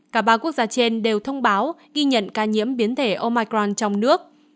cả ba quốc gia trên đều thông báo ghi nhận ca nhiễm biến thể omicron trong nước